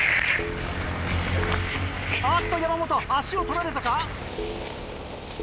あっと山本足を取られたか？